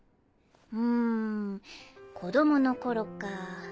うん子供の頃かぁ。